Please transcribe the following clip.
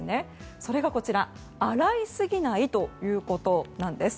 それがこちら、洗いすぎないということなんです。